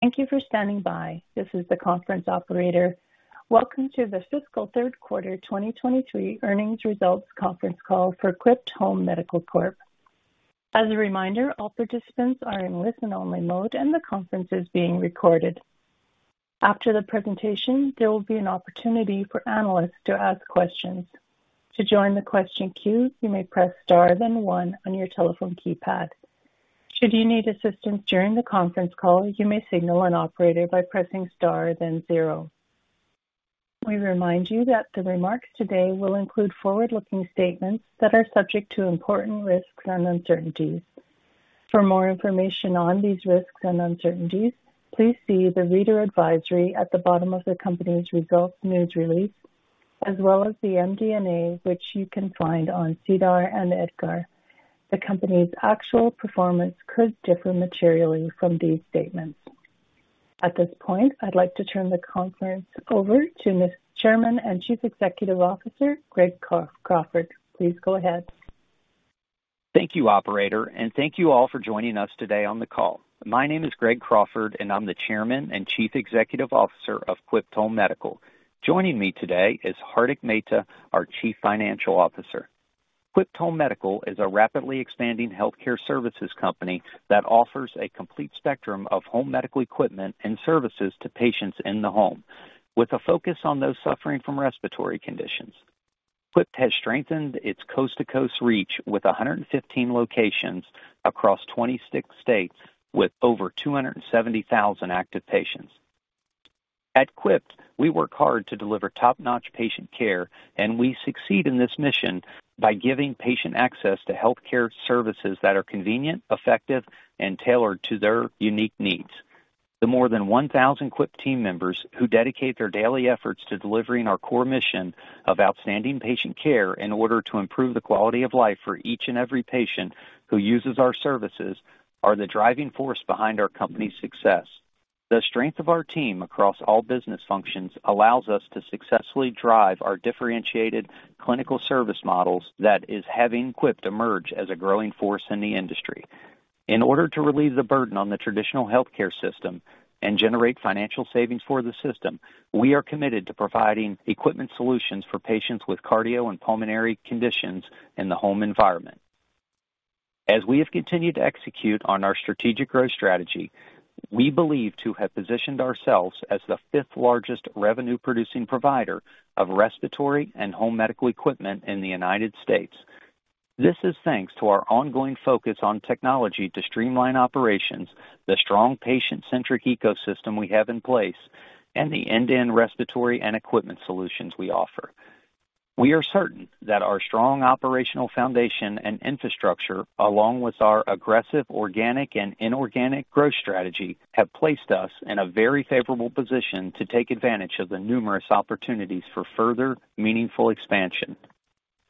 Thank you for standing by. This is the conference operator. Welcome to the fiscal third quarter 2023 earnings results conference call for Quipt Home Medical Corp. As a reminder, all participants are in listen-only mode, and the conference is being recorded. After the presentation, there will be an opportunity for analysts to ask questions. To join the question queue, you may press star then one on your telephone keypad. Should you need assistance during the conference call, you may signal an operator by pressing star then zero. We remind you that the remarks today will include forward-looking statements that are subject to important risks and uncertainties. For more information on these risks and uncertainties, please see the reader advisory at the bottom of the company's results news release, as well as the MD&A, which you can find on SEDAR+ and EDGAR. The company's actual performance could differ materially from these statements. At this point, I'd like to turn the conference over to Chairman and Chief Executive Officer, Greg Crawford. Please go ahead. Thank you, operator, and thank you all for joining us today on the call. My name is Greg Crawford, and I'm the Chairman and Chief Executive Officer of Quipt Home Medical. Joining me today is Hardik Mehta, our Chief Financial Officer. Quipt Home Medical is a rapidly expanding healthcare services company that offers a complete spectrum of home medical equipment and services to patients in the home, with a focus on those suffering from respiratory conditions. Quipt has strengthened its coast-to-coast reach with 115 locations across 26 states, with over 270,000 active patients. At Quipt, we work hard to deliver top-notch patient care, and we succeed in this mission by giving patient access to healthcare services that are convenient, effective, and tailored to their unique needs. The more than 1,000 Quipt team members who dedicate their daily efforts to delivering our core mission of outstanding patient care in order to improve the quality of life for each and every patient who uses our services, are the driving force behind our company's success. The strength of our team across all business functions allows us to successfully drive our differentiated clinical service models that is having Quipt to emerge as a growing force in the industry. In order to relieve the burden on the traditional healthcare system and generate financial savings for the system, we are committed to providing equipment solutions for patients with cardio and pulmonary conditions in the home environment. As we have continued to execute on our strategic growth strategy, we believe to have positioned ourselves as the fifth-largest revenue-producing provider of respiratory and home medical equipment in the United States. This is thanks to our ongoing focus on technology to streamline operations, the strong patient-centric ecosystem we have in place, and the end-to-end respiratory and equipment solutions we offer. We are certain that our strong operational foundation and infrastructure, along with our aggressive, organic and inorganic growth strategy, have placed us in a very favorable position to take advantage of the numerous opportunities for further meaningful expansion.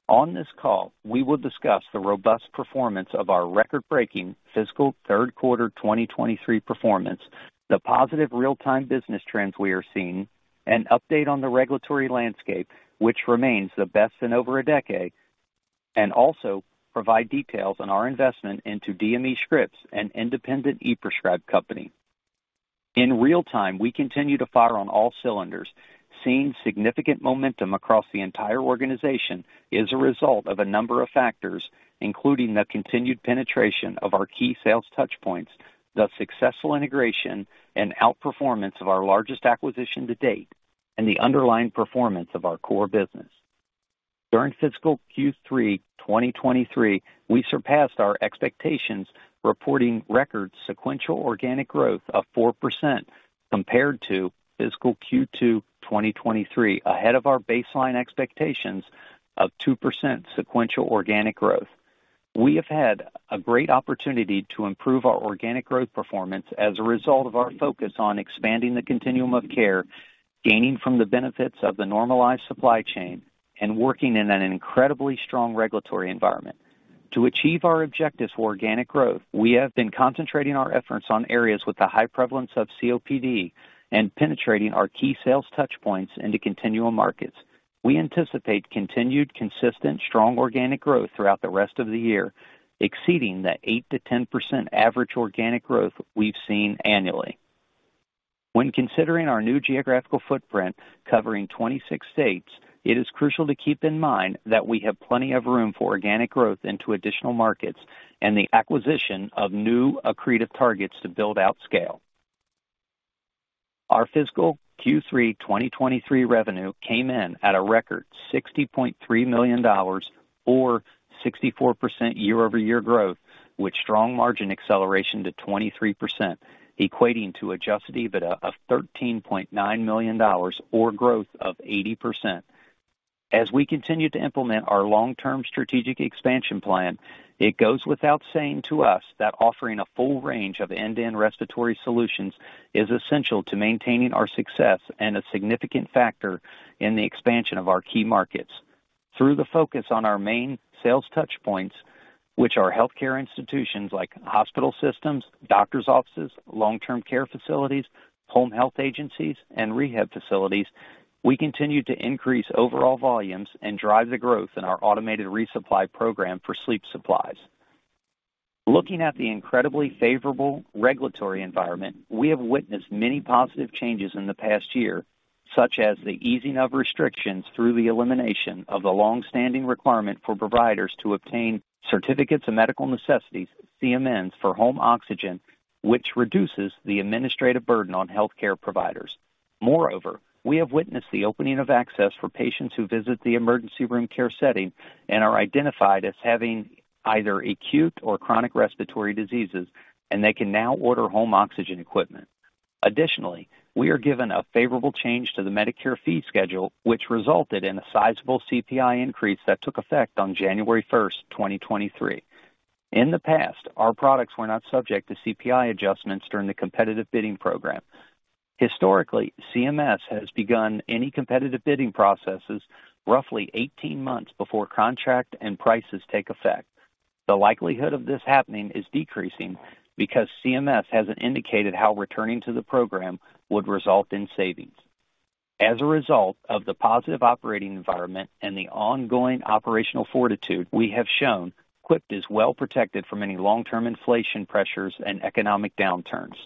On this call, we will discuss the robust performance of our record-breaking fiscal third quarter 2023 performance, the positive real-time business trends we are seeing, an update on the regulatory landscape, which remains the best in over a decade, and also provide details on our investment into DMEscripts, an independent e-prescribe company. In real time, we continue to fire on all cylinders. Seeing significant momentum across the entire organization is a result of a number of factors, including the continued penetration of our key sales touchpoints, the successful integration and outperformance of our largest acquisition to date, and the underlying performance of our core business. During fiscal Q3 2023, we surpassed our expectations, reporting record sequential organic growth of 4% compared to fiscal Q2 2023, ahead of our baseline expectations of 2% sequential organic growth. We have had a great opportunity to improve our organic growth performance as a result of our focus on expanding the continuum of care, gaining from the benefits of the normalized supply chain, and working in an incredibly strong regulatory environment. To achieve our objectives for organic growth, we have been concentrating our efforts on areas with a high prevalence of COPD and penetrating our key sales touchpoints into continual markets. We anticipate continued, consistent, strong organic growth throughout the rest of the year, exceeding the 8%-10% average organic growth we've seen annually. When considering our new geographical footprint covering 26 states, it is crucial to keep in mind that we have plenty of room for organic growth into additional markets and the acquisition of new accretive targets to build out scale. Our fiscal Q3 2023 revenue came in at a record $60.3 million, or 64% year-over-year growth, with strong margin acceleration to 23%, equating to Adjusted EBITDA of $13.9 million or growth of 80%. As we continue to implement our long-term strategic expansion plan, it goes without saying to us that offering a full range of end-to-end respiratory solutions is essential to maintaining our success and a significant factor in the expansion of our key markets. Through the focus on our main sales touchpoints, which are healthcare institutions like hospital systems, doctor's offices, long-term care facilities, home health agencies, and rehab facilities, we continue to increase overall volumes and drive the growth in our automated resupply program for sleep supplies. Looking at the incredibly favorable regulatory environment, we have witnessed many positive changes in the past year, such as the easing of restrictions through the elimination of the long-standing requirement for providers to obtain Certificates of Medical Necessity, CMNs, for home oxygen, which reduces the administrative burden on healthcare providers. Moreover, we have witnessed the opening of access for patients who visit the emergency room care setting and are identified as having either acute or chronic respiratory diseases, and they can now order home oxygen equipment. Additionally, we are given a favorable change to the Medicare fee schedule, which resulted in a sizable CPI increase that took effect on January 1st, 2023. In the past, our products were not subject to CPI adjustments during the competitive bidding program. Historically, CMS has begun any competitive bidding processes roughly 18 months before contract and prices take effect. The likelihood of this happening is decreasing because CMS hasn't indicated how returning to the program would result in savings. As a result of the positive operating environment and the ongoing operational fortitude we have shown, Quipt is well protected from any long-term inflation pressures and economic downturns.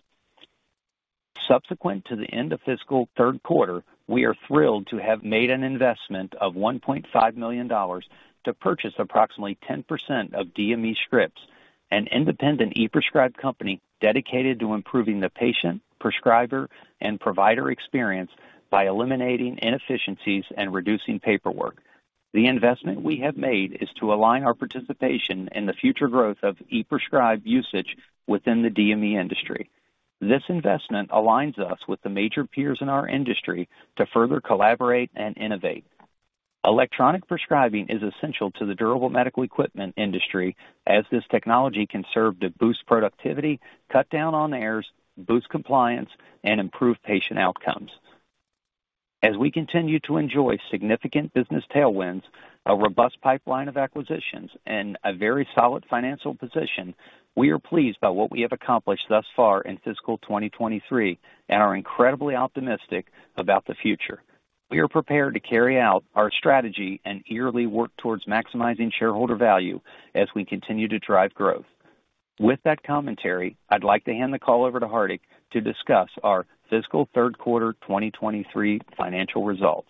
Subsequent to the end of fiscal third quarter, we are thrilled to have made an investment of $1.5 million to purchase approximately 10% of DMEscripts, an independent e-prescribe company dedicated to improving the patient, prescriber, and provider experience by eliminating inefficiencies and reducing paperwork. The investment we have made is to align our participation in the future growth of e-prescribe usage within the DME industry. This investment aligns us with the major peers in our industry to further collaborate and innovate. Electronic prescribing is essential to the durable medical equipment industry as this technology can serve to boost productivity, cut down on errors, boost compliance, and improve patient outcomes. As we continue to enjoy significant business tailwinds, a robust pipeline of acquisitions, and a very solid financial position, we are pleased by what we have accomplished thus far in fiscal 2023 and are incredibly optimistic about the future. We are prepared to carry out our strategy and eagerly work towards maximizing shareholder value as we continue to drive growth. With that commentary, I'd like to hand the call over to Hardik to discuss our fiscal third quarter 2023 financial results.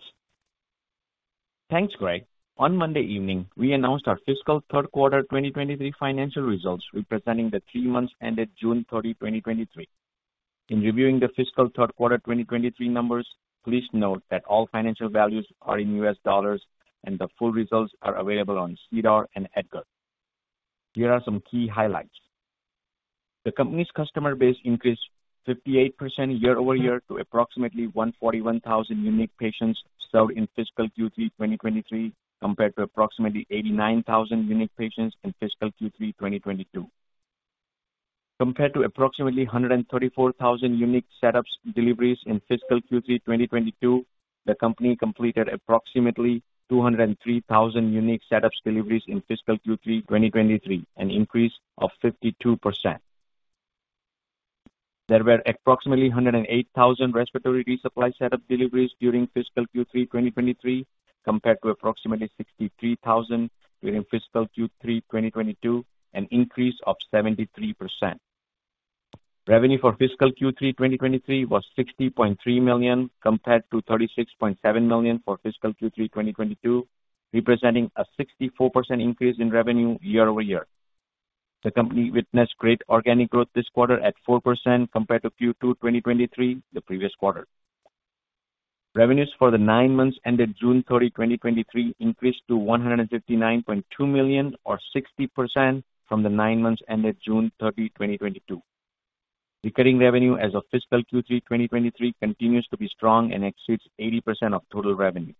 Thanks, Greg. On Monday evening, we announced our fiscal third quarter 2023 financial results, representing the three months ended June 30, 2023. In reviewing the fiscal third quarter 2023 numbers, please note that all financial values are in U.S. dollars, and the full results are available on SEDAR+ and EDGAR. Here are some key highlights. The company's customer base increased 58% year-over-year to approximately 141,000 unique patients served in fiscal Q3 2023, compared to approximately 89,000 unique patients in fiscal Q3 2022. Compared to approximately 134,000 unique setups deliveries in fiscal Q3 2022, the company completed approximately 203,000 unique setups deliveries in fiscal Q3 2023, an increase of 52%. There were approximately 108,000 respiratory resupply setup deliveries during fiscal Q3 2023, compared to approximately 63,000 during fiscal Q3 2022, an increase of 73%. Revenue for fiscal Q3 2023 was $60.3 million, compared to $36.7 million for fiscal Q3 2022, representing a 64% increase in revenue year-over-year. The company witnessed great organic growth this quarter at 4% compared to Q2 2023, the previous quarter. Revenues for the nine months ended June 30, 2023, increased to $159.2 million, or 60% from the nine months ended June 30, 2022. Recurring revenue as of fiscal Q3 2023 continues to be strong and exceeds 80% of total revenue.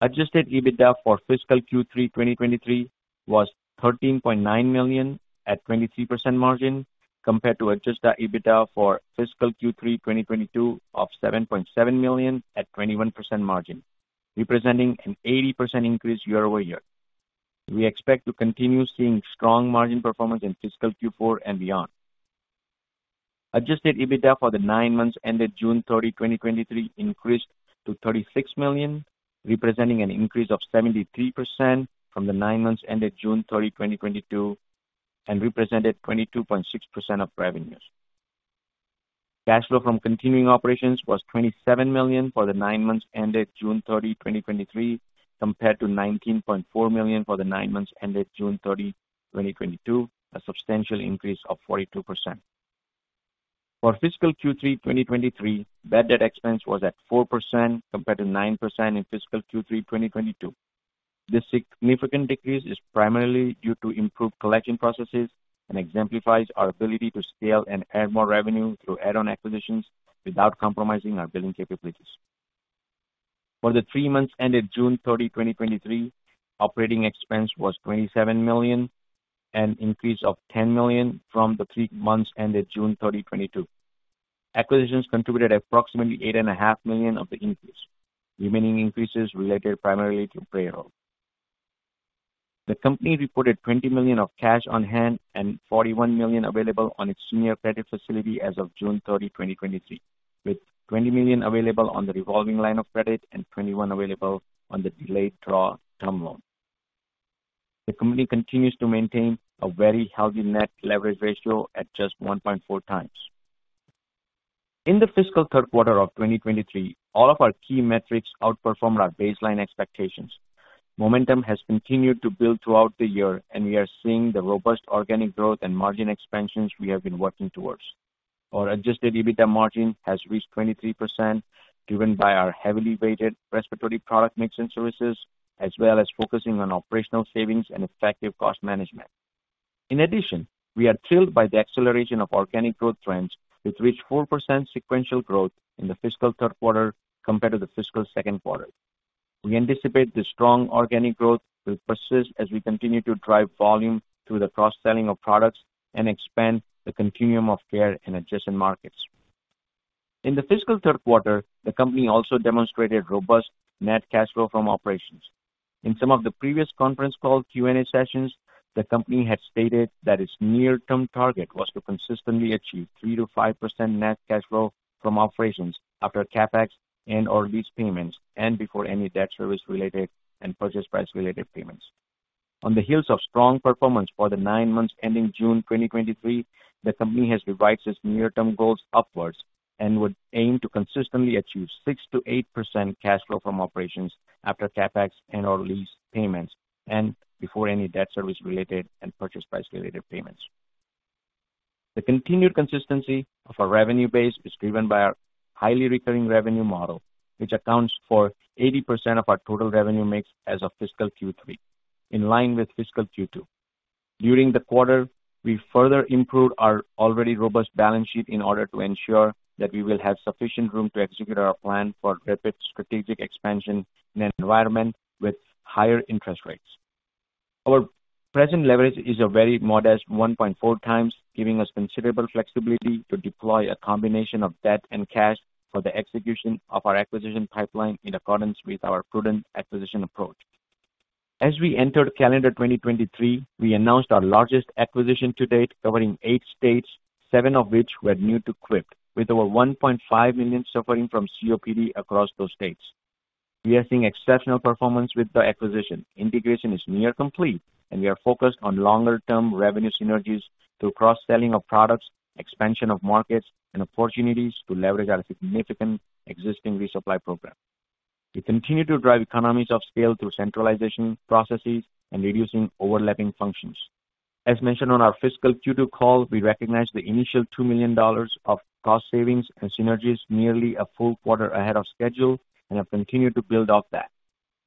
Adjusted EBITDA for fiscal Q3 2023 was $13.9 million, at 23% margin, compared to Adjusted EBITDA for fiscal Q3 2022 of $7.7 million at 21% margin, representing an 80% increase year-over-year. We expect to continue seeing strong margin performance in fiscal Q4 and beyond. Adjusted EBITDA for the nine months ended June 30, 2023, increased to $36 million, representing an increase of 73% from the nine months ended June 30, 2022, and represented 22.6% of revenues. Cash flow from continuing operations was $27 million for the nine months ended June 30, 2023, compared to $19.4 million for the nine months ended June 30, 2022, a substantial increase of 42%. For fiscal Q3 2023, bad debt expense was at 4%, compared to 9% in fiscal Q3 2022. This significant decrease is primarily due to improved collection processes and exemplifies our ability to scale and add more revenue through add-on acquisitions without compromising our billing capabilities. For the three months ended June 30, 2023, operating expense was $27 million, an increase of $10 million from the three months ended June 30, 2022. Acquisitions contributed approximately $8.5 million of the increase. Remaining increases related primarily to payroll. The company reported $20 million of cash on hand and $41 million available on its senior credit facility as of June 30, 2023. With $20 million available on the revolving line of credit and $21 million available on the delayed draw term loan. The company continues to maintain a very healthy net leverage ratio at just 1.4x. In the fiscal third quarter of 2023, all of our key metrics outperformed our baseline expectations. Momentum has continued to build throughout the year, and we are seeing the robust organic growth and margin expansions we have been working towards. Our Adjusted EBITDA margin has reached 23%, driven by our heavily weighted respiratory product mix and services, as well as focusing on operational savings and effective cost management. In addition, we are thrilled by the acceleration of organic growth trends, which reached 4% sequential growth in the fiscal third quarter compared to the fiscal second quarter. We anticipate the strong organic growth will persist as we continue to drive volume through the cross-selling of products and expand the continuum of care in adjacent markets. In the fiscal Q3, the company also demonstrated robust net cash flow from operations. In some of the previous conference call Q&A sessions, the company had stated that its near-term target was to consistently achieve 3%-5% net cash flow from operations after CapEx and/or lease payments and before any debt service-related and purchase price-related payments. On the heels of strong performance for the nine months ending June 2023, the company has revised its near-term goals upwards and would aim to consistently achieve 6%-8% cash flow from operations after CapEx and/or lease payments and before any debt service-related and purchase price-related payments. The continued consistency of our revenue base is driven by our highly recurring revenue model, which accounts for 80% of our total revenue mix as of fiscal Q3, in line with fiscal Q2. During the quarter, we further improved our already robust balance sheet in order to ensure that we will have sufficient room to execute our plan for rapid strategic expansion in an environment with higher interest rates. Our present leverage is a very modest 1.4x, giving us considerable flexibility to deploy a combination of debt and cash for the execution of our acquisition pipeline in accordance with our prudent acquisition approach. As we entered calendar 2023, we announced our largest acquisition to date, covering eight states, seven of which were new to Quipt, with over 1.5 million suffering from COPD across those states. We are seeing exceptional performance with the acquisition. Integration is near complete, and we are focused on longer-term revenue synergies through cross-selling of products, expansion of markets, and opportunities to leverage our significant existing resupply program. We continue to drive economies of scale through centralization processes and reducing overlapping functions. As mentioned on our fiscal Q2 call, we recognized the initial $2 million of cost savings and synergies nearly a full quarter ahead of schedule and have continued to build off that.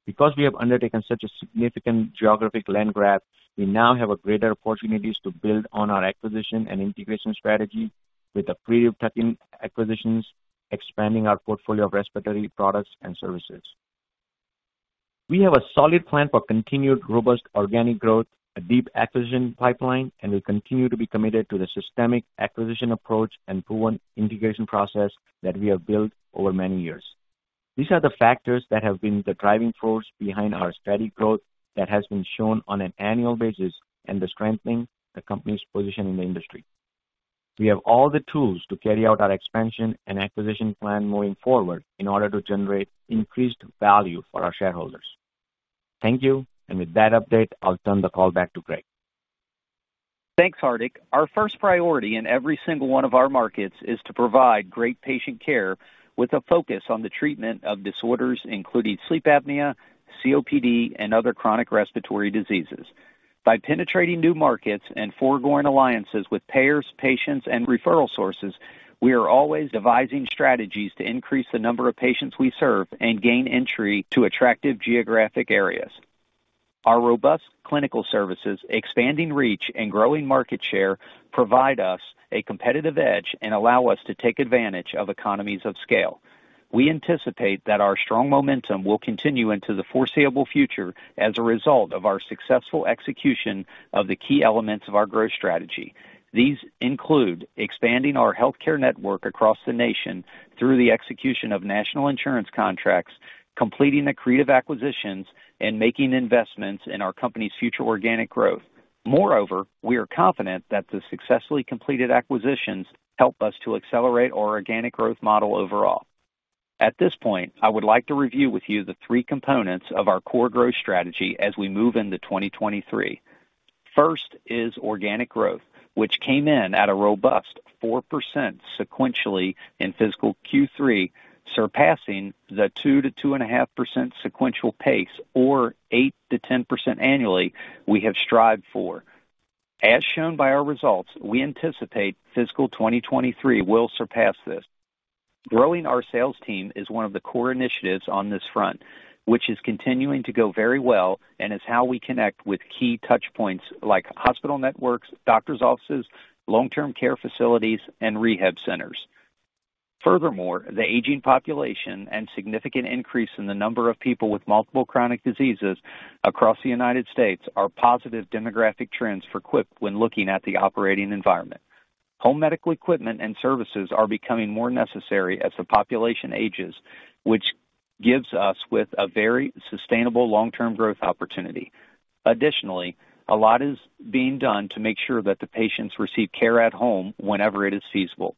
Because we have undertaken such a significant geographic land grab, we now have a greater opportunities to build on our acquisition and integration strategy with accretive tuck-in acquisitions, expanding our portfolio of respiratory products and services. We have a solid plan for continued robust organic growth, a deep acquisition pipeline, and we continue to be committed to the systemic acquisition approach and proven integration process that we have built over many years. These are the factors that have been the driving force behind our steady growth that has been shown on an annual basis and the strengthening the company's position in the industry. We have all the tools to carry out our expansion and acquisition plan moving forward in order to generate increased value for our shareholders. Thank you. With that update, I'll turn the call back to Greg. Thanks, Hardik. Our first priority in every single one of our markets is to provide great patient care with a focus on the treatment of disorders including sleep apnea, COPD, and other chronic respiratory diseases. By penetrating new markets and foregoing alliances with payers, patients, and referral sources, we are always devising strategies to increase the number of patients we serve and gain entry to attractive geographic areas. Our robust clinical services, expanding reach, and growing market share provide us a competitive edge and allow us to take advantage of economies of scale. We anticipate that our strong momentum will continue into the foreseeable future as a result of our successful execution of the key elements of our growth strategy. These include expanding our healthcare network across the nation through the execution of national insurance contracts, completing accretive acquisitions, and making investments in our company's future organic growth. Moreover, we are confident that the successfully completed acquisitions help us to accelerate our organic growth model overall. At this point, I would like to review with you the three components of our core growth strategy as we move into 2023. First is organic growth, which came in at a robust 4% sequentially in fiscal Q3, surpassing the 2%-2.5% sequential pace, or 8%-10% annually we have strived for. As shown by our results, we anticipate fiscal 2023 will surpass this. Growing our sales team is one of the core initiatives on this front, which is continuing to go very well and is how we connect with key touch points like hospital networks, doctor's offices, long-term care facilities, and rehab centers. Furthermore, the aging population and significant increase in the number of people with multiple chronic diseases across the United States are positive demographic trends for Quipt when looking at the operating environment. Home medical equipment and services are becoming more necessary as the population ages, which gives us with a very sustainable long-term growth opportunity. A lot is being done to make sure that the patients receive care at home whenever it is feasible.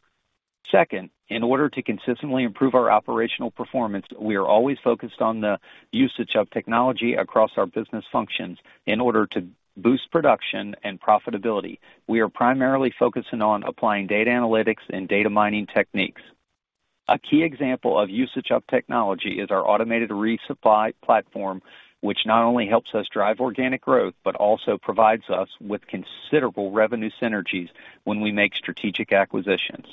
Second, in order to consistently improve our operational performance, we are always focused on the usage of technology across our business functions in order to boost production and profitability. We are primarily focusing on applying data analytics and data mining techniques. A key example of usage of technology is our automated resupply platform, which not only helps us drive organic growth, but also provides us with considerable revenue synergies when we make strategic acquisitions.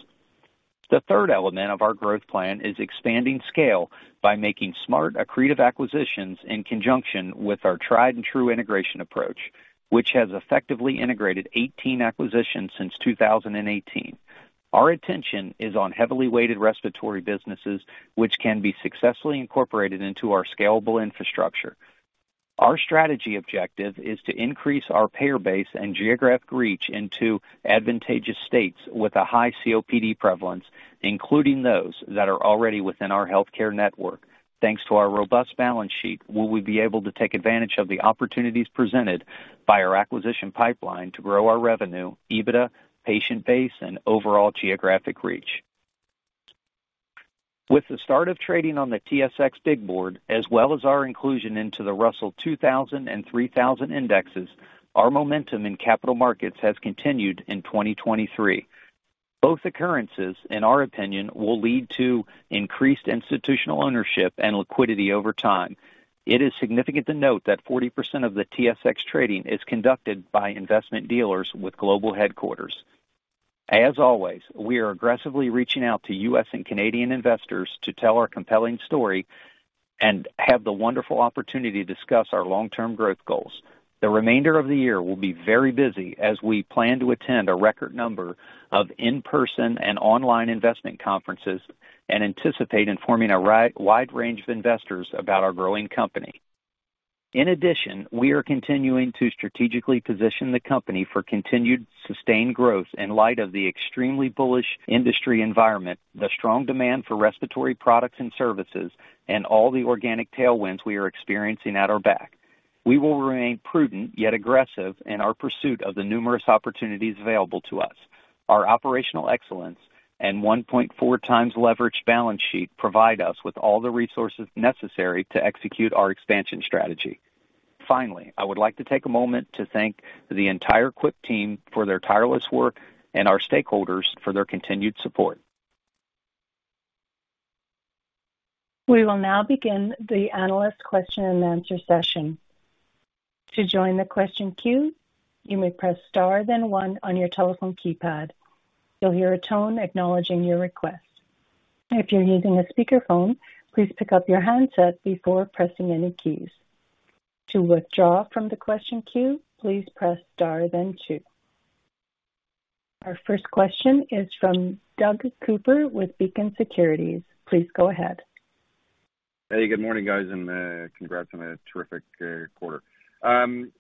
The third element of our growth plan is expanding scale by making smart, accretive acquisitions in conjunction with our tried-and-true integration approach, which has effectively integrated 18 acquisitions since 2018. Our attention is on heavily weighted respiratory businesses, which can be successfully incorporated into our scalable infrastructure. Our strategy objective is to increase our payer base and geographic reach into advantageous states with a high COPD prevalence, including those that are already within our healthcare network. Thanks to our robust balance sheet, will we be able to take advantage of the opportunities presented by our acquisition pipeline to grow our revenue, EBITDA, patient base, and overall geographic reach. With the start of trading on the TSX Main Board, as well as our inclusion into the Russell 2000 Index and 3,000 indexes, our momentum in capital markets has continued in 2023. Both occurrences, in our opinion, will lead to increased institutional ownership and liquidity over time. It is significant to note that 40% of the TSX trading is conducted by investment dealers with global headquarters. As always, we are aggressively reaching out to U.S. and Canadian investors to tell our compelling story and have the wonderful opportunity to discuss our long-term growth goals. The remainder of the year will be very busy, as we plan to attend a record number of in-person and online investment conferences and anticipate informing a wide range of investors about our growing company. In addition, we are continuing to strategically position the company for continued sustained growth in light of the extremely bullish industry environment, the strong demand for respiratory products and services, and all the organic tailwinds we are experiencing at our back. We will remain prudent, yet aggressive, in our pursuit of the numerous opportunities available to us. Our operational excellence and 1.4x leverage balance sheet provide us with all the resources necessary to execute our expansion strategy. Finally, I would like to take a moment to thank the entire Quipt team for their tireless work and our stakeholders for their continued support. We will now begin the analyst question-and-answer session. To join the question queue, you may press star then one on your telephone keypad. You'll hear a tone acknowledging your request. If you're using a speakerphone, please pick up your handset before pressing any keys. To withdraw from the question queue, please press star then two. Our first question is from Doug Cooper with Beacon Securities. Please go ahead. Hey, good morning, guys, and congrats on a terrific quarter.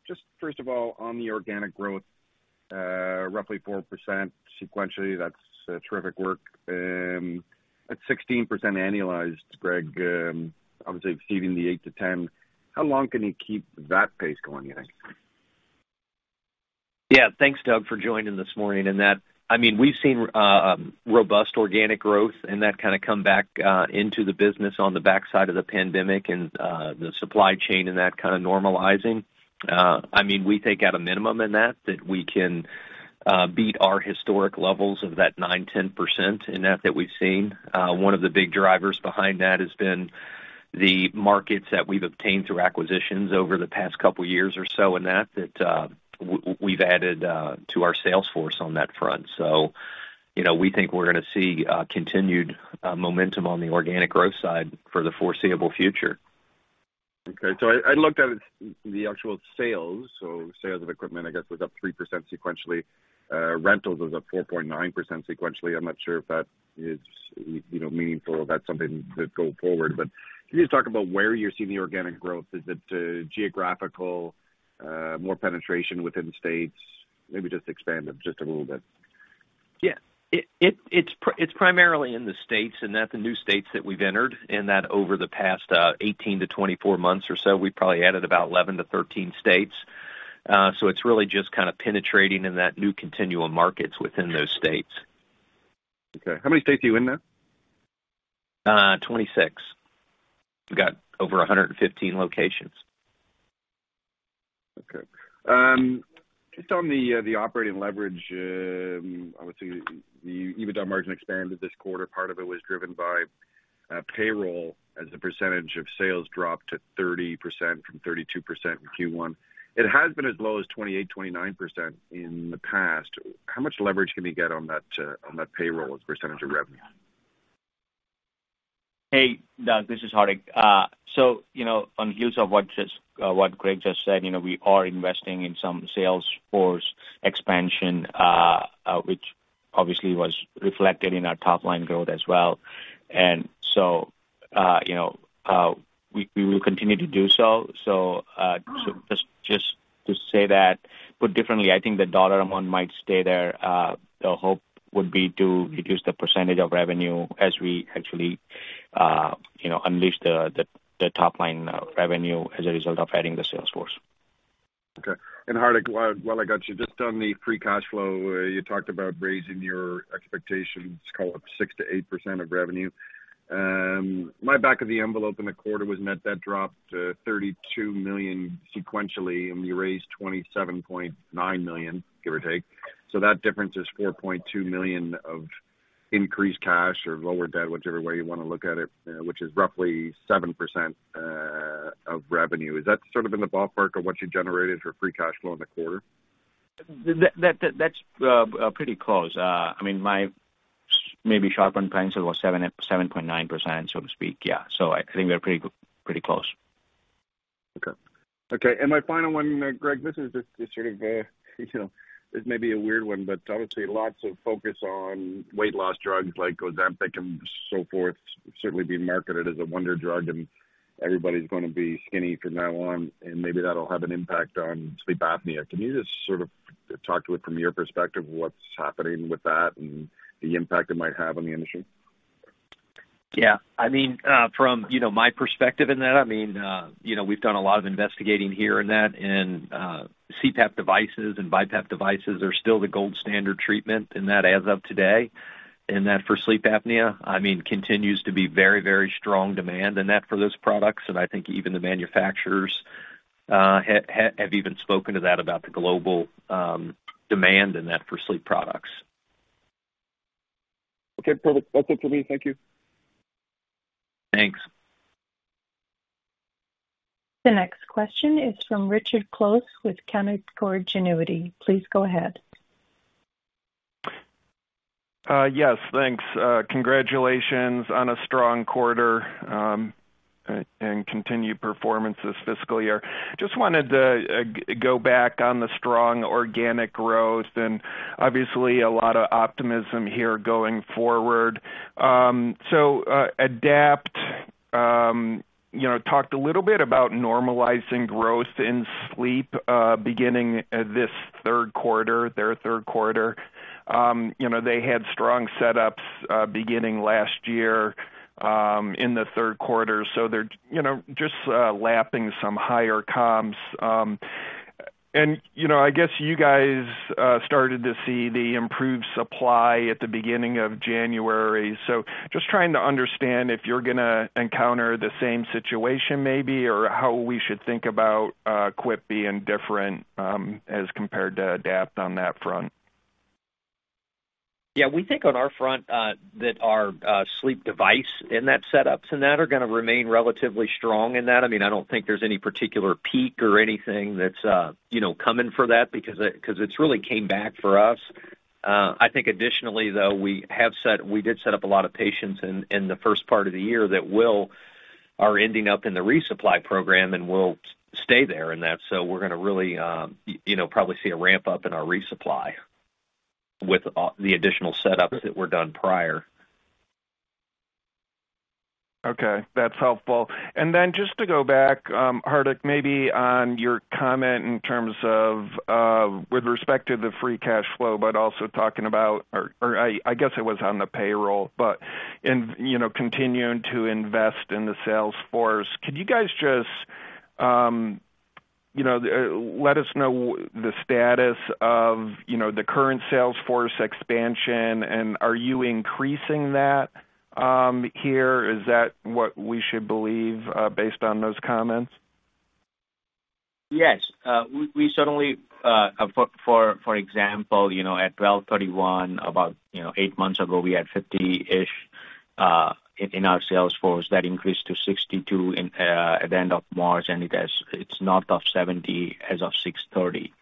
Just first of all, on the organic growth, roughly 4% sequentially. That's terrific work. At 16% annualized, Greg, obviously exceeding the 8%-10%. How long can you keep that pace going, you think? Yeah. Thanks, Doug, for joining this morning. I mean, we've seen robust organic growth and that kind of come back into the business on the backside of the pandemic and the supply chain and that kind of normalizing. I mean, we think at a minimum that we can beat our historic levels of 9%-10% that we've seen. One of the big drivers behind that has been the markets that we've obtained through acquisitions over the past couple years or so, we've added to our sales force on that front. You know, we think we're gonna see continued momentum on the organic growth side for the foreseeable future. Okay. I, I looked at it, the actual sales. Sales of equipment, I guess, was up 3% sequentially. Rentals was up 4.9% sequentially. I'm not sure if that is, y- you know, meaningful, or that's something to go forward. Can you just talk about where you're seeing the organic growth? Is it, geographical, more penetration within states? Maybe just expand it just a little bit. Yeah. It, it, it's it's primarily in the states and that the new states that we've entered, in that over the past, 18 to 24 months or so, we've probably added about 11 to 13 states. It's really just kind of penetrating in that new continuum markets within those states. Okay. How many states are you in now? 26. We've got over 115 locations. Okay. Just on the operating leverage, obviously, the EBITDA margin expanded this quarter. Part of it was driven by payroll as a percentage of sales dropped to 30% from 32% in Q1. It has been as low as 28%, 29% in the past. How much leverage can you get on that on that payroll as a percentage of revenue? Hey, Doug, this is Hardik. You know, on heels of what just -- what Greg just said, you know, we are investing in some sales force expansion, which obviously was reflected in our top line growth as well. You know, we will continue to do so. Just, just to say that, put differently, I think the dollar amount might stay there. The hope would be to reduce the percentage of revenue as we actually, you know, unleash the, the, the top line revenue as a result of adding the sales force. Okay. Hardik, while, while I got you, just on the free cash flow, you talked about raising your expectations, call it 6%-8% of revenue. My back of the envelope in the quarter was net. That dropped $32 million sequentially, and you raised $27.9 million, give or take. That difference is $4.2 million of increased cash or lower debt, whichever way you want to look at it, which is roughly 7% of revenue. Is that sort of in the ballpark of what you generated for free cash flow in the quarter? That's pretty close. I mean, my maybe sharpened pencil was 7.9%, so to speak. Yeah, so I think we're pretty pretty close. Okay. Okay, and my final one, Greg, this is just sort of, you know, this may be a weird one, but obviously lots of focus on weight loss drugs like Ozempic and so forth, certainly being marketed as a wonder drug, and everybody's going to be skinny from now on, and maybe that'll have an impact on sleep apnea. Can you just sort of talk to it from your perspective, what's happening with that and the impact it might have on the industry? Yeah, I mean, from, you know, my perspective in that, I mean, you know, we've done a lot of investigating here in that, and CPAP devices and BiPAP devices are still the gold standard treatment in that as of today. That for sleep apnea, I mean, continues to be very, very strong demand in that for those products. I think even the manufacturers, have even spoken to that about the global demand in that for sleep products. Okay, perfect. That's it for me. Thank you. Thanks. The next question is from Richard Close with Canaccord Genuity. Please go ahead. Yes, thanks. Congratulations on a strong quarter, continued performance this fiscal year. Just wanted to go back on the strong organic growth and obviously a lot of optimism here going forward. AdaptHealth, you know, talked a little bit about normalizing growth in sleep, beginning this third quarter, their third quarter. You know, they had strong setups, beginning last year, in the third quarter, so they're, you know, just lapping some higher comps. You know, I guess you guys started to see the improved supply at the beginning of January. Just trying to understand if you're going to encounter the same situation maybe, or how we should think about Quipt being different as compared to AdaptHealth on that front? Yeah, we think on our front, that our sleep device in that setups and that are going to remain relatively strong in that. I mean, I don't think there's any particular peak or anything that's, you know, coming for that because it, because it's really came back for us. I think additionally, though, we did set up a lot of patients in, in the first part of the year that are ending up in the resupply program and will stay there in that. We're going to really, you know, probably see a ramp-up in our resupply with the additional setups that were done prior. Okay, that's helpful. Just to go back, Hardik, maybe on your comment in terms of with respect to the free cash flow, but also talking about, or I guess it was on the payroll, but in, you know, continuing to invest in the sales force. Could you guys just, you know, let us know the status of, you know, the current sales force expansion, and are you increasing that here? Is that what we should believe based on those comments? Yes. We, we certainly, for, for, for example, you know, at 12/31, about, you know, eight months ago, we had 50-ish in our sales force. That increased to 62 at the end of March, and it's north of 70 as of 6/30.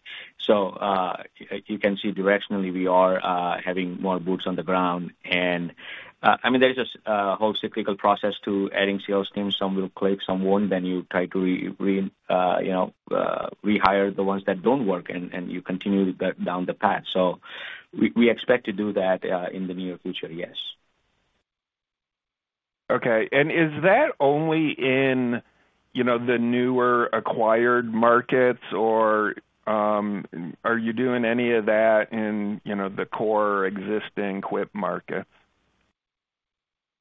You can see directionally, we are having more boots on the ground. I mean, there's a whole cyclical process to adding sales teams. Some will click, some won't, then you try to rehire the ones that don't work, and you continue that down the path. We, we expect to do that in the near future. Yes. Okay. Is that only in, you know, the newer acquired markets, or are you doing any of that in, you know, the core existing Quipt markets?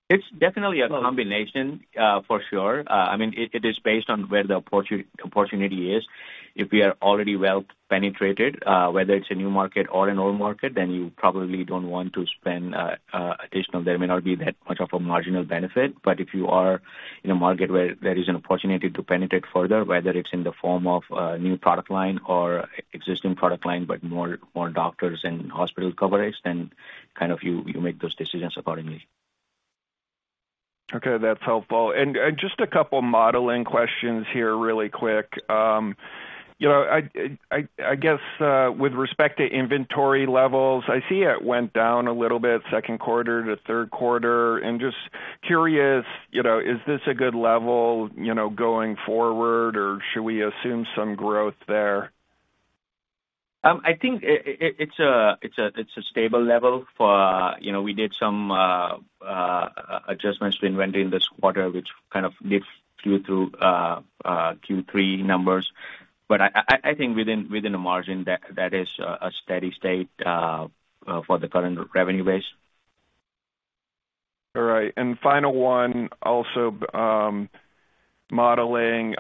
It's definitely a combination, for sure. I mean, it, it is based on where the opportunity is. If we are already well penetrated, whether it's a new market or an old market, then you probably don't want to spend additional. There may not be that much of a marginal benefit, but if you are in a market where there is an opportunity to penetrate further, whether it's in the form of a new product line or existing product line, but more, more doctors and hospital coverage, then kind of you, you make those decisions accordingly. Okay, that's helpful. and just a couple modeling questions here really quick. you know, I, I, I guess, with respect to inventory levels, I see it went down a little bit second quarter to third quarter. just curious, you know, is this a good level, you know, going forward, or should we assume some growth there? I think it's a, it's a, it's a stable level for, you know, we did some adjustments to inventory in this quarter, which kind of lifts you through Q3 numbers. I think within, within a margin, that, that is a steady state for the current revenue base. All right. Final one, also, modeling.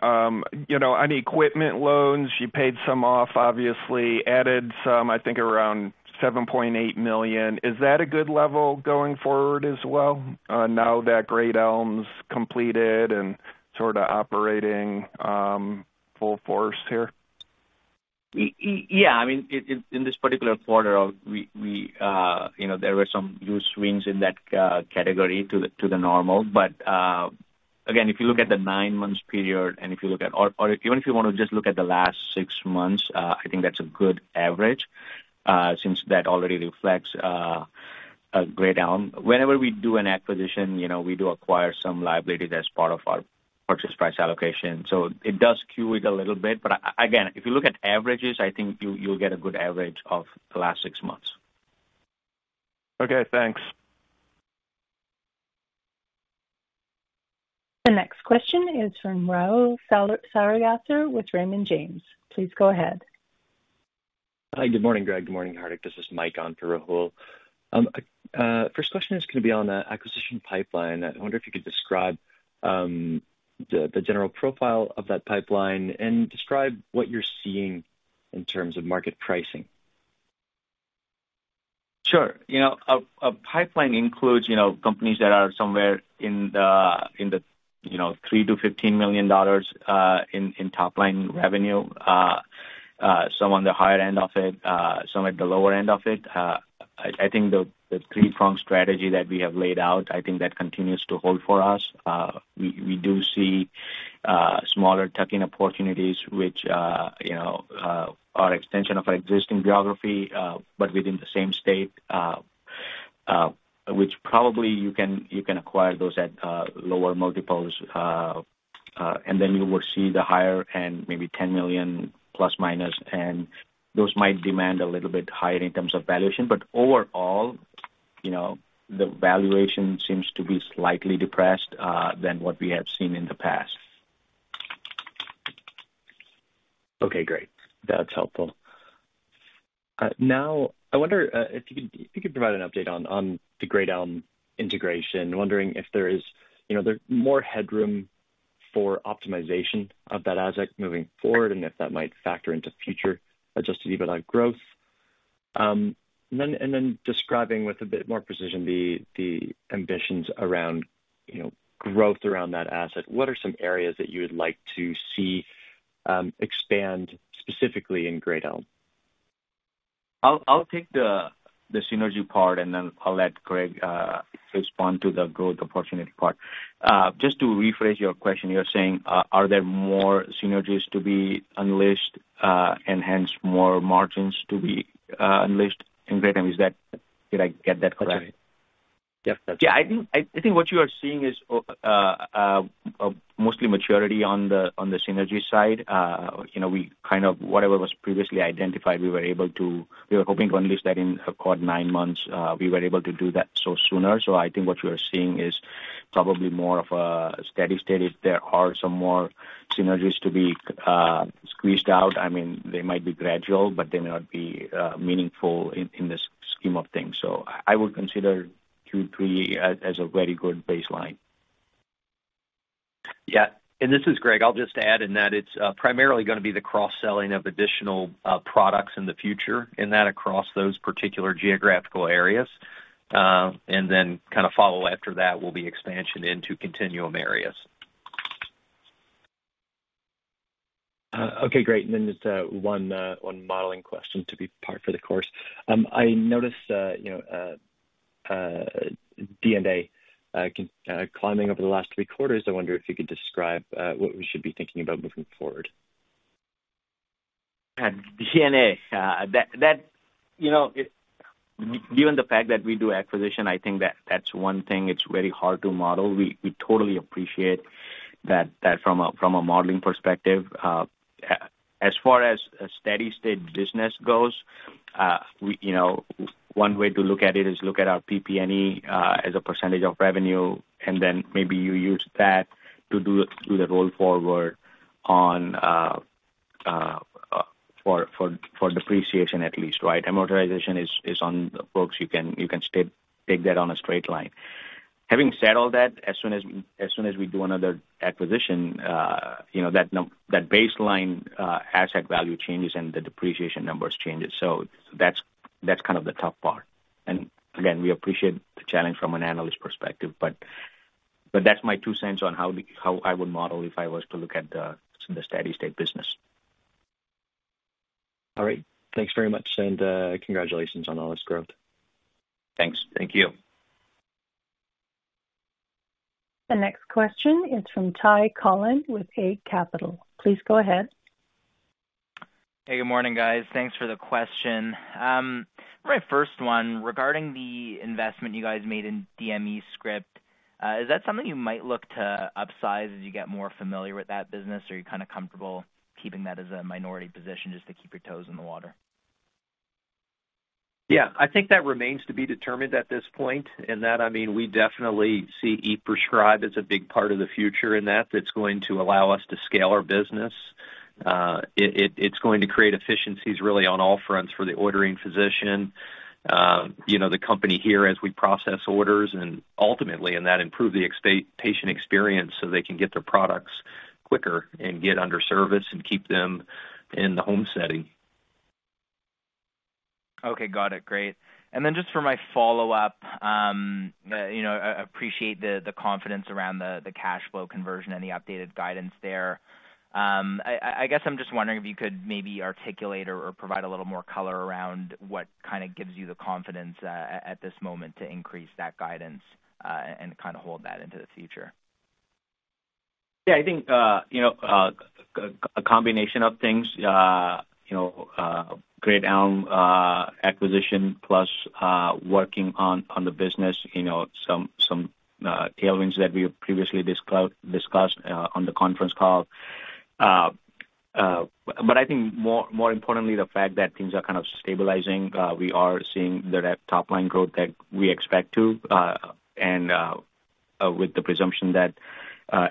You know, on equipment loans, you paid some off, obviously, added some, I think around $7.8 million. Is that a good level going forward as well, now that Great Elm's completed and sort of operating, full force here? Yeah, I mean, in, in this particular quarter, we, we, you know, there were some huge swings in that category to the normal. Again, if you look at the nine months period, and if you look at or, or even if you want to just look at the last six months, I think that's a good average since that already reflects Great Elm. Whenever we do an acquisition, you know, we do acquire some liabilities as part of our purchase price allocation, so it does skew it a little bit. Again, if you look at averages, I think you, you'll get a good average of the last six months. Okay, thanks. The next question is from Rahul Sarugaser with Raymond James. Please go ahead. Hi. Good morning, Greg. Good morning, Hardik. This is Mike on for Rahul. First question is going to be on the acquisition pipeline. I wonder if you could describe the, the general profile of that pipeline and describe what you're seeing in terms of market pricing. Sure. You know, a pipeline includes, you know, companies that are somewhere in the, you know, $3 million-$15 million, in top line revenue. Some on the higher end of it, some at the lower end of it. I think the three-pronged strategy that we have laid out, I think that continues to hold for us. We do see smaller tuck-in opportunities, which, you know, are extension of our existing geography, but within the same state, which probably you can acquire those at lower multiples. Then you will see the higher end, maybe $10 million±, and those might demand a little bit higher in terms of valuation. Overall, you know, the valuation seems to be slightly depressed, than what we have seen in the past. Okay, great. That's helpful. Now, I wonder if you could, if you could provide an update on, on the Great Elm integration. Wondering if there is, you know, there more headroom for optimization of that asset moving forward, and if that might factor into future Adjusted EBITDA growth. Then, and then describing with a bit more precision, the, the ambitions around, you know, growth around that asset. What are some areas that you would like to see expand specifically in Great Elm? I'll, I'll take the, the synergy part, and then I'll let Greg respond to the growth opportunity part. Just to rephrase your question, you're saying, are there more synergies to be unleashed, and hence more margins to be unleashed in Great Elm? Is that, did I get that correct? That's right. Yes, that's- Yeah, I think, I, I think what you are seeing is mostly maturity on the, on the synergy side. You know, we kind of whatever was previously identified, we were able to we were hoping to unleash that in a quarter nine months. We were able to do that so sooner. I think what you are seeing is probably more of a steady state. If there are some more synergies to be squeezed out, I mean, they might be gradual, but they may not be meaningful in, in the scheme of things. I would consider Q3 as, as a very good baseline. Yeah. This is Greg. I'll just add in that it's primarily going to be the cross-selling of additional products in the future, and that across those particular geographical areas. Then kind of follow after that will be expansion into continuum areas. Okay, great. Then just one modeling question to be par for the course. I noticed, you know, D&A climbing over the last three quarters. I wonder if you could describe what we should be thinking about moving forward. Yeah, D&A, you know, given the fact that we do acquisition, I think that, that's one thing it's very hard to model. We, we totally appreciate that, that from a, from a modeling perspective. As far as a steady state business goes, we, you know, one way to look at it is look at our PP&E as a percentage of revenue, and then maybe you use that to do the, do the roll forward on for depreciation at least, right? Amortization is, is on the books, you can, you can take that on a straight line. Having said all that, as soon as, as soon as we do another acquisition, you know, that that baseline asset value changes and the depreciation numbers changes. That's, that's kind of the tough part. Again, we appreciate the challenge from an analyst perspective, but that's my two cents on how I would model if I was to look at the steady state business. All right. Thanks very much, and congratulations on all this growth. Thanks. Thank you. The next question is from Ty Collin with Eight Capital. Please go ahead. Hey, good morning, guys. Thanks for the question. My 1st one, regarding the investment you guys made in DMEscripts, is that something you might look to upsize as you get more familiar with that business? Or are you kind of comfortable keeping that as a minority position just to keep your toes in the water? Yeah, I think that remains to be determined at this point. I mean, we definitely see e-prescribe as a big part of the future in that, that's going to allow us to scale our business. It's going to create efficiencies really on all fronts for the ordering physician, you know, the company here as we process orders and ultimately, and that improve the patient experience so they can get their products quicker and get under service and keep them in the home setting. Okay, got it. Great. Then just for my follow-up, you know, I appreciate the confidence around the cash flow conversion and the updated guidance there. I, I guess I'm just wondering if you could maybe articulate or provide a little more color around what kind of gives you the confidence at this moment to increase that guidance and kind of hold that into the future. Yeah, I think, you know, a combination of things, you know, Great Elm acquisition, plus working on the business, you know, some, some tailwinds that we have previously discussed on the conference call. I think more, more importantly, the fact that things are kind of stabilizing, we are seeing that top-line growth that we expect to, and with the presumption that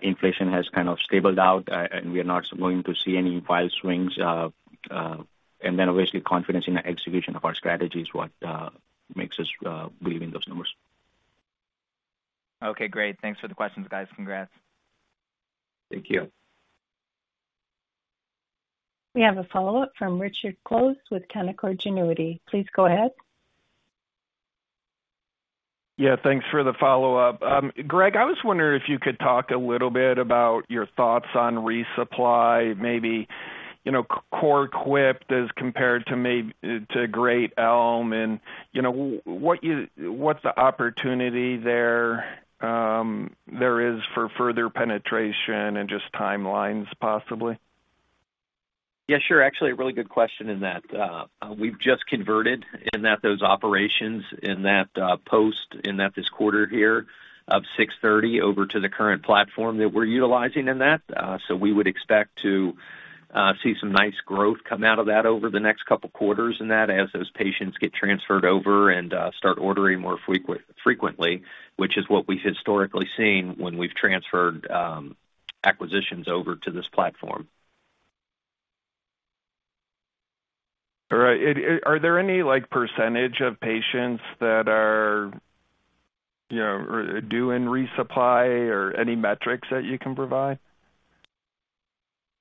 inflation has kind of stabled out, and we are not going to see any wild swings, and then obviously, confidence in the execution of our strategy is what makes us believe in those numbers. Okay, great. Thanks for the questions, guys. Congrats. Thank you. We have a follow-up from Richard Close with Canaccord Genuity. Please go ahead. Yeah, thanks for the follow-up. Greg, I was wondering if you could talk a little bit about your thoughts on resupply, maybe, you know, core Quipt as compared to maybe, to Great Elm, and, you know, what's the opportunity there, there is for further penetration and just timelines possibly? Yeah, sure. Actually, a really good question in that. We've just converted in that those operations in that, post in that this quarter here of 6/30 over to the current platform that we're utilizing in that. We would expect to see some nice growth come out of that over the next couple of quarters, and that as those patients get transferred over and start ordering more frequently, which is what we've historically seen when we've transferred acquisitions over to this platform. All right. Are there any, like, percentage of patients that are, you know, due in resupply or any metrics that you can provide?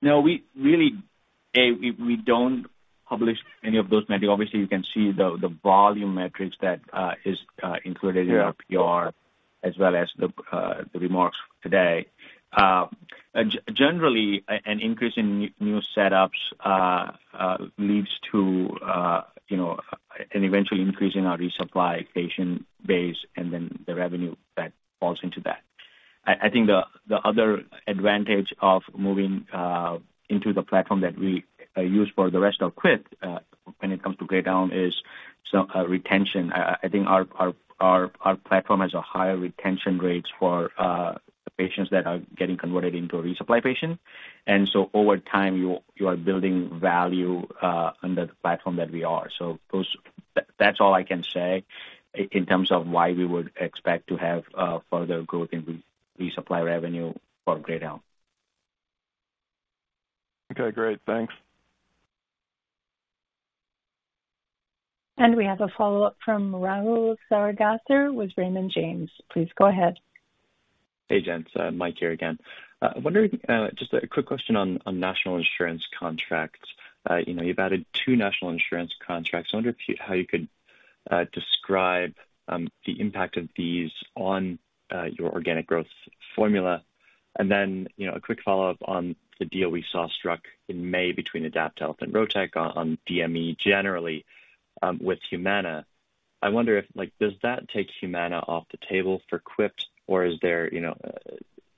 No, we really, we, we don't publish any of those metrics. Obviously, you can see the, the volume metrics that is included- Yeah in our PR as well as the remarks today. Generally, an increase in new, new setups leads to, you know, an eventual increase in our resupply patient base and then the revenue that falls into that. I, I think the other advantage of moving into the platform that we use for the rest of Quipt, when it comes to Great Elm, is some retention. I, I think our, our, our, our platform has a higher retention rates for the patients that are getting converted into a resupply patient. Over time, you, you are building value under the platform that we are. Those- that's all I can say in terms of why we would expect to have further growth in re- resupply revenue for Great Elm. Okay, great. Thanks. We have a follow-up from Rahul Sarugaser with Raymond James. Please go ahead. Hey, gents. Mike here again. Wondering, just a quick question on national insurance contracts. You know, you've added two national insurance contracts. I wonder how you could describe the impact of these on your organic growth formula? Then, you know, a quick follow-up on the deal we saw struck in May between AdaptHealth and Rotech on DME, generally, with Humana. I wonder if, like, does that take Humana off the table for Quipt, or is there, you know,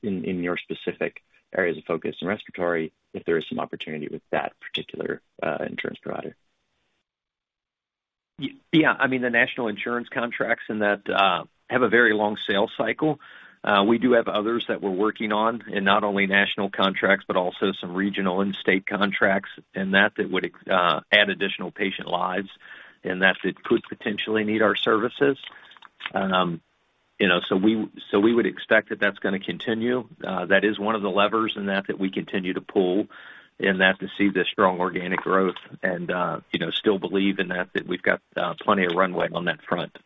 in your specific areas of focus and respiratory, if there is some opportunity with that particular insurance provider? Yeah, I mean, the national insurance contracts in that have a very long sales cycle. We do have others that we're working on, and not only national contracts, but also some regional and state contracts, and that, that would add additional patient lives, and that it could potentially need our services. You know, so we, so we would expect that that's gonna continue. That is one of the levers in that, that we continue to pull, and that to see the strong organic growth and, you know, still believe in that, that we've got plenty of runway on that front.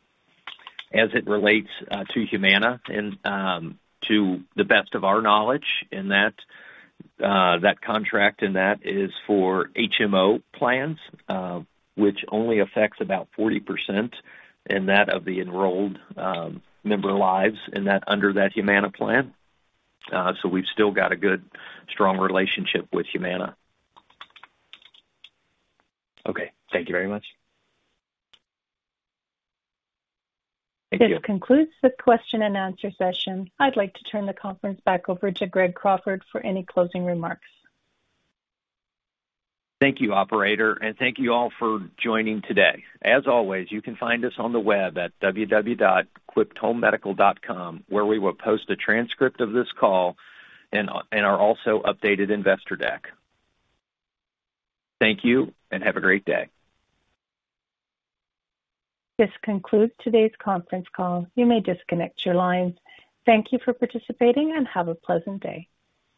As it relates to Humana and to the best of our knowledge, in that, that contract in that is for HMO plans, which only affects about 40%, in that of the enrolled, member lives in that, under that Humana plan. We've still got a good, strong relationship with Humana. Okay. Thank you very much. Thank you. This concludes the question and answer session. I'd like to turn the conference back over to Greg Crawford for any closing remarks. Thank you, operator, and thank you all for joining today. As always, you can find us on the web at www.quipthomemedical.com, where we will post a transcript of this call and our also updated investor deck. Thank you, and have a great day. This concludes today's conference call. You may disconnect your lines. Thank you for participating, and have a pleasant day.